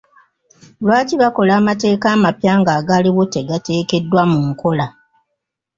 Lwaki bakola amateeka amapya, ng'agaliwo tegateekeddwa mu nkola?